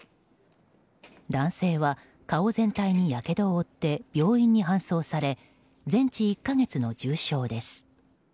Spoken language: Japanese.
男性は、顔全体にやけどを負って病院に搬送され全治１か月の重傷です。